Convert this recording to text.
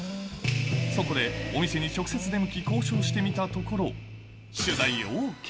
そこでお店に直接出向き交渉してみたところ、取材ＯＫ。